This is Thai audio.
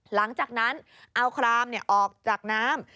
หลังจากนั้นเอาครามออกจากน้ำ